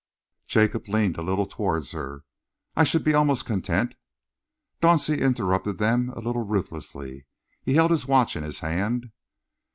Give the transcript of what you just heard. Jacob leaned a little towards her. "I should be almost content," Dauncey interrupted them a little ruthlessly. He held his watch in his hand.